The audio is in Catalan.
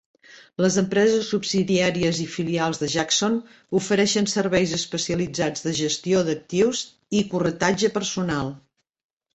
Les empreses subsidiàries i filials de Jackson ofereixen serveis especialitzats de gestió d'actius i corretatge personal.